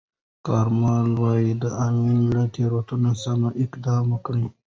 کارمل وویل، د امین له تیروتنو سم اقدام کوي.